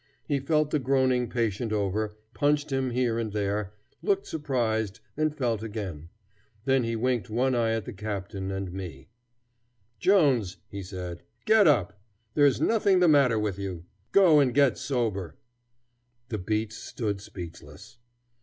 He felt the groaning patient over, punched him here and there, looked surprised, and felt again. Then he winked one eye at the captain and me. "Jones," he said, "get up! There is nothing the matter with you. Go and get sober." The beats stood speechless.